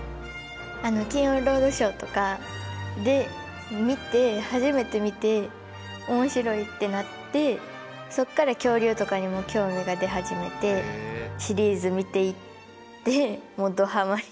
あの「金曜ロードショー」とかで見て初めて見て面白いってなってそこから恐竜とかにも興味が出始めてシリーズ見ていってもうどハマり。